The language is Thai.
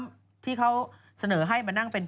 พี่ชอบแซงไหลทางอะเนาะ